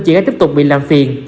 chị gái tiếp tục bị làm phiền